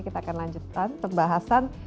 kita akan lanjutkan perbahasan